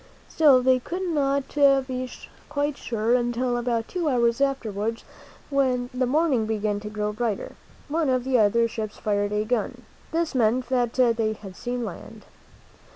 Still, they could not be quite sure until, about two hours afterwards, when the morning began to grow brighter, one of the other ships fired a gun. This meant that they had seen land.